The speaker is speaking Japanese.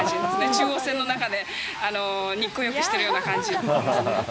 中央線の中で日光浴してるような感じ。